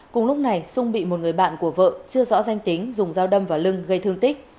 cùng lúc này sung bị một người bạn của vợ chưa rõ danh tính dùng dao đâm vào lưng gây thương tích